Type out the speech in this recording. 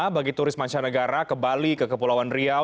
bagi turis mancanegara ke bali ke kepulauan riau